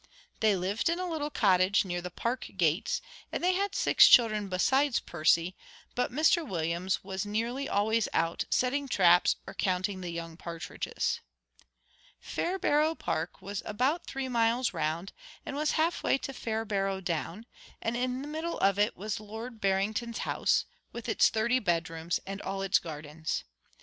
They lived in a little cottage near the Park gates, and they had six children besides Percy, but Mr Williams was nearly always out, setting traps or counting the young partridges. Fairbarrow Park was about three miles round, and was half way to Fairbarrow Down; and in the middle of it was Lord Barrington's house, with its thirty bedrooms and all its gardens.